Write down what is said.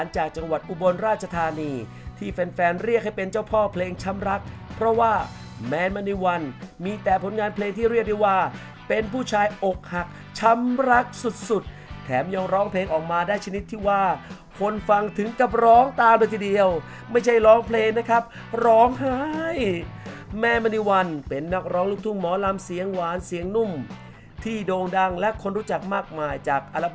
จากจังหวัดอุบลราชธานีที่แฟนแฟนเรียกให้เป็นเจ้าพ่อเพลงช้ำรักเพราะว่าแมนมณีวันมีแต่ผลงานเพลงที่เรียกได้ว่าเป็นผู้ชายอกหักช้ำรักสุดสุดแถมยังร้องเพลงออกมาได้ชนิดที่ว่าคนฟังถึงกับร้องตามเลยทีเดียวไม่ใช่ร้องเพลงนะครับร้องไห้แม่มณีวันเป็นนักร้องลูกทุ่งหมอลำเสียงหวานเสียงนุ่มที่โด่งดังและคนรู้จักมากมายจากอล